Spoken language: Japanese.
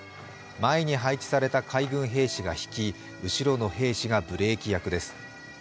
前に配置された海軍兵士が引き、後ろの兵士がブレーキ役です。